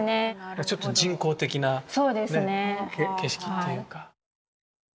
ちょっと人工的な景色というか。